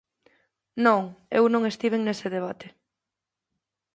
Non, eu non estiven nese debate.